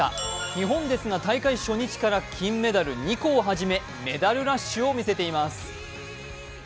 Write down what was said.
日本ですが大会初日から金メダル２個をはじめ、メダルラッシュをみせています。